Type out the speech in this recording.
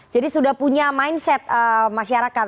jadi sudah punya mindset masyarakat